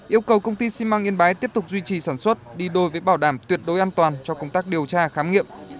yêu cầu công ty xi măng yên bái tiếp tục duy trì sản xuất đi đôi với bảo đảm tuyệt đối an toàn cho công tác điều tra khám nghiệm